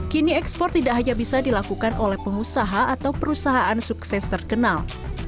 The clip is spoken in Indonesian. kini ekspor tidak hanya bisa dilakukan oleh pengusaha atau perusahaan sukses terkenal